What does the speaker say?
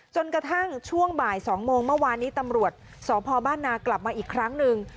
จนกระทั่งช่วงบ่าย๒โมงเมื่อวานนี้ตำรวจสพบ้านนากลับมาอีกครั้งหนึ่ง